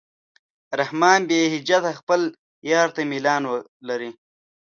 رحمان بېحجته خپل یار ته میلان لري.